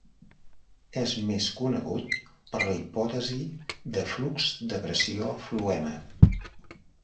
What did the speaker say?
És més conegut per la hipòtesi de flux de pressió floema.